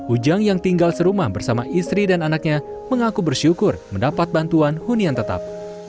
ujang yang tinggal serumah bersama istri dan anaknya mengaku bersyukur mendapat bantuan hunian tetap